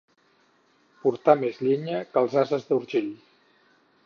Portar més llenya que els ases d'Urgell.